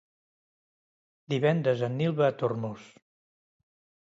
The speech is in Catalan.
Divendres en Nil va a Tormos.